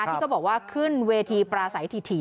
ที่เขาบอกว่าขึ้นเวทีปราศัยถี่